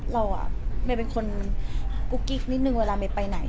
เราอ่ะเป็นคนกูกกิ๊กนิดนึงเวลาไปไหน